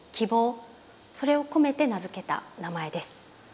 それを込めて名付けた名前です。